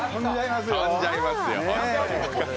跳んじゃいますよ。